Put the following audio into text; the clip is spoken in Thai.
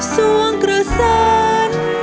สวงกระสัน